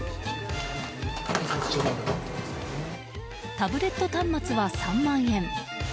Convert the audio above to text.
タブレット端末は３万円。